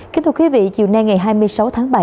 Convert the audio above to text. kính thưa quý vị chiều nay ngày hai mươi sáu tháng bảy